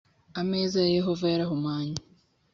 ameza ya yehova arahumanye